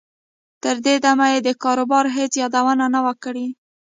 تر دې دمه یې د کاروبار هېڅ یادونه نه وه کړې